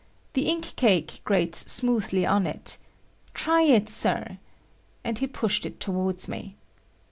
The ink cake grates smoothly on it. Try it, sir,"—and he pushed it towards me.